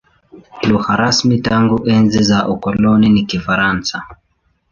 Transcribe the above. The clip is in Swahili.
Lugha rasmi tangu enzi za ukoloni ni Kifaransa.